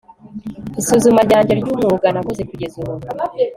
isuzuma ryanjye ryumwuga nakoze kugeza ubu